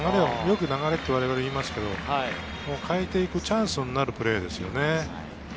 よく流れって我々は言いますけど、変えて行くチャンスになるプレーですよね。